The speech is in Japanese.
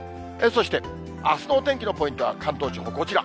そして、あすのお天気のポイントは関東地方、こちら。